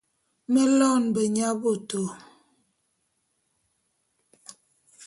Me loene benyabôtô.